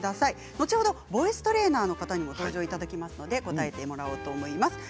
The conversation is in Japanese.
後ほどボイストレーナーの方にも登場いただきますので答えていただきます。